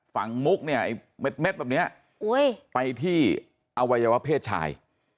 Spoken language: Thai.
ฝั่งมุกเนี้ยเม็ดเม็ดแบบเนี้ยอุ้ยไปที่อวัยวะเพศชาย